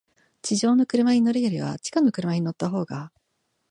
地上の車に乗るよりは、地下の車に乗ったほうが、